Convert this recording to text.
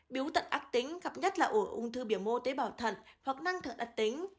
biếu tận ác tính gặp nhất là ở ung thư biểu mô tế bảo thận hoặc năng thượng đặc tính